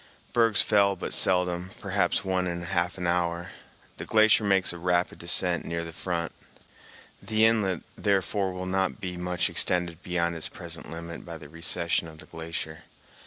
Bergs fell but seldom, perhaps one in half an hour. The glacier makes a rapid descent near the front. The inlet, therefore, will not be much extended beyond its present limit by the recession of the glacier.